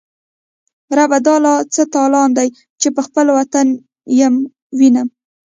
ربه دا لا څه تالان دی، چی به خپل وطن یې وینم